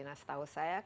nah setahu saya